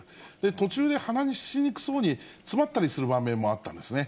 途中で話しにくそうに詰まったりする場面もあったんですね。